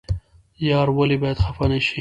یار ولې باید خفه نشي؟